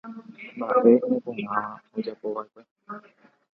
Mba'e neporãva ojapova'ekue.